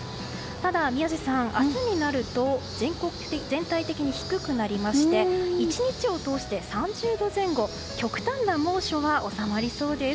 ただ宮司さん明日になると全体的に低くなりまして１日を通して３０度前後極端な猛暑は収まりそうです。